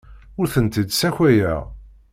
Ur tent-id-ssakayeɣ.